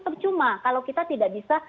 percuma kalau kita tidak bisa